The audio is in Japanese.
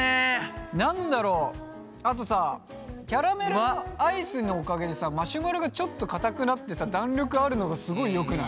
何だろうあとさキャラメルアイスのおかげでさマシュマロがちょっとかたくなってさ弾力あるのがすごいよくない？